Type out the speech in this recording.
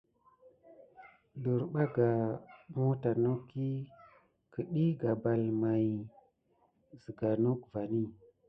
Desbarga mawta nok i ķəɗi gabal may may zəga nok vani.